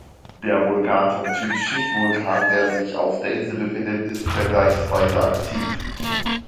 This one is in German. Der Vulkan vom Typ Schichtvulkan, der sich auf der Insel befindet, ist vergleichsweise aktiv.